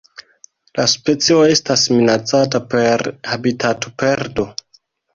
La specio estas minacata per habitatoperdo.